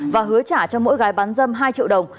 và hứa trả cho mỗi gái bán dâm hai triệu đồng